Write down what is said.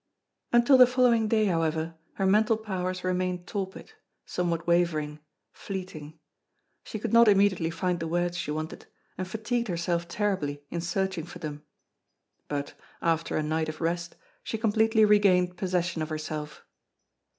Until the following day, however, her mental powers remained torpid, somewhat wavering, fleeting. She could not immediately find the words she wanted, and fatigued herself terribly in searching for them. But, after a night of rest, she completely regained possession of herself.